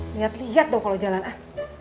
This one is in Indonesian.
lihat lihat dong kalau jalan ah